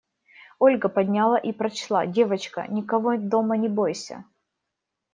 Ольга подняла и прочла: «Девочка, никого дома не бойся.